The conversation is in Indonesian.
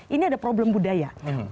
ini ada problem budaya